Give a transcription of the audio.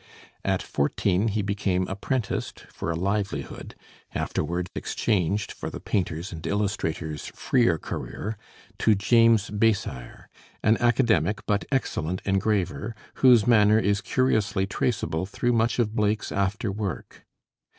At fourteen he became apprenticed, for a livelihood, afterward exchanged for the painter's and illustrator's freer career, to James Basire, an academic but excellent engraver, whose manner is curiously traceable through much of Blake's after work.